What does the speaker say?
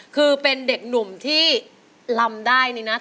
คือเป็นเด็กหนุ่มที่ลำได้นี่นะ